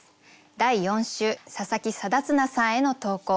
第４週佐々木定綱さんへの投稿。